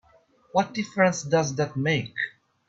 What difference does that make?